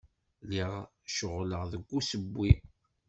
Lliɣ ceɣleɣ deg usewwi.